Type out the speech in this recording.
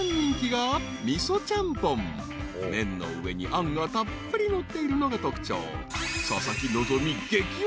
［麺の上にあんがたっぷりのっているのが特徴］